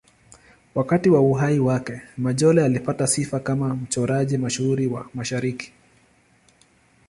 Wakati wa uhai wake, Majolle alipata sifa kama mchoraji mashuhuri wa Mashariki.